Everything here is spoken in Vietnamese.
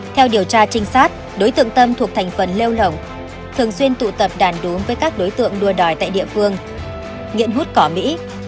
theo điều tra trinh sát đối tượng tâm thuộc thành phần lêu lỏng thường xuyên tụ tập đàn đúng với các đối tượng đua đòi tại địa phương nghiện hút cỏ mỹ